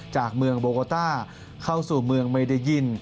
จากเมืองโบโกต้าเข้าสู่เมืองเมดายิน